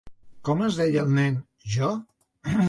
Com es deia el nen, Jo?